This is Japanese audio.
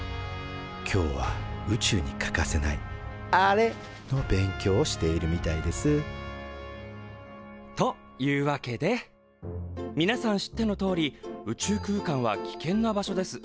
今日は宇宙に欠かせないあれの勉強をしているみたいですというわけでみなさん知ってのとおり宇宙空間は危険な場所です。